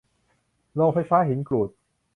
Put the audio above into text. โรงไฟฟ้าหินกรูด